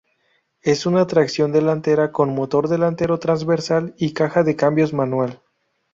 Es un tracción delantera con motor delantero trasversal y caja de cambios manual.